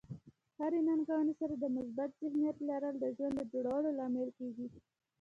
د هرې ننګونې سره د مثبت ذهنیت لرل د ژوند د جوړولو لامل کیږي.